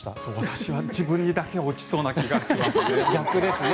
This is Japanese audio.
私は自分にだけ落ちそうな気がしますね。